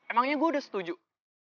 emangnya gue udah setuju